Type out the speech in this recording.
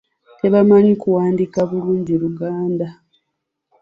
Tebamanyi kuwandiika bulungi Luganda.